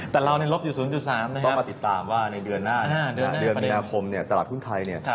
แต่เราลบอยู่๐๓ต้องมาติดตามว่าในเดือนหน้าเดือนมีนาคมตลาดหุ้นไทยเนี่ย